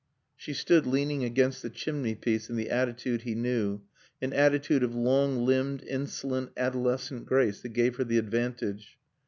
She stood leaning against the chimney piece in the attitude he knew, an attitude of long limbed, insolent, adolescent grace that gave her the advantage.